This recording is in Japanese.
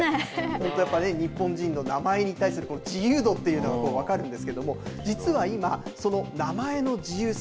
日本での名前に対する自由度というのが分かるんですけど実は今、その名前の自由さ